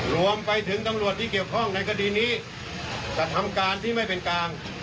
รวมไปถึงตำรวจที่เกี่ยวข้องในคดีนี้กระทำการที่ไม่เป็นกลาง